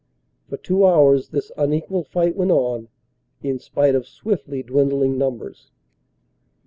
For two hours this unequal fight went on in spite of swiftly dwindling numbers.